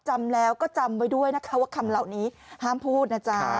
จำแล้วก็จำไว้ด้วยนะคะว่าคำเหล่านี้ห้ามพูดนะจ๊ะ